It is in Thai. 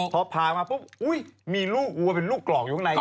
พอพามาปุ๊บอุ๊ยมีลูกวัวเป็นลูกกรอกอยู่ข้างใน